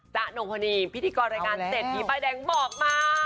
นงพนีพิธีกรรายการเศรษฐีป้ายแดงบอกมา